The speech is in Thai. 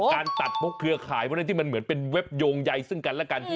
การตัดพวกเครือข่ายพวกนี้ที่มันเหมือนเป็นเว็บโยงใยซึ่งกันและกัน